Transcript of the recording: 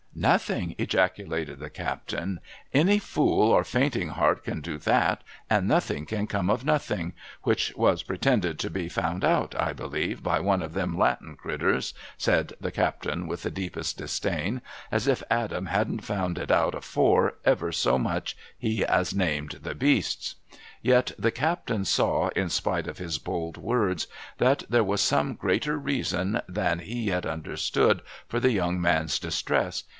Nothing !' ejaculated the captain. ' Any fool or fainting heart can do ///(//, and nothing can come of nothing, — which was pretended to be found out, I believe, by one of them Latin critters,' .said the captain with the deepest disdain ;' as if Adam hadn't found it out, afore ever he so much as named the beasts !' Yet the captain saw, in spite of his bold words, that there was some greater reason than he yet understood for the young man's distress.